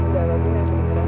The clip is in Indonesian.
gak lagi gak terlalu